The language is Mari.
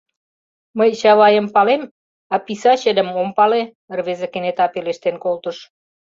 — Мый Чавайым палем, а писачылым ом пале, — рвезе кенета пелештен колтыш.